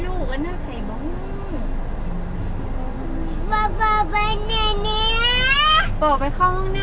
แล้วนี่ไข่ของหูอีกเนี่ย